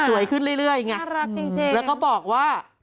สวยขึ้นเรื่อยอย่างนี้น่ะแล้วก็บอกว่าน่ารักจริง